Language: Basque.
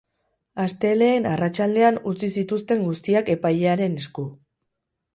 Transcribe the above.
Astelehen arratsaldean utzi zituzten guztiak epailearen esku.